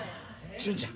純ちゃん！